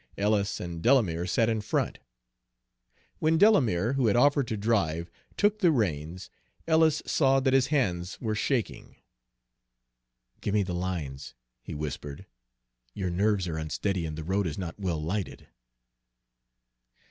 Ellis and Delamere sat in front. When Delamere, who had offered to drive, took the reins, Ellis saw that his hands were shaking. "Give me the lines," he whispered. "Your nerves are unsteady and the road is not well lighted."